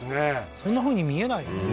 そんなふうに見えないですね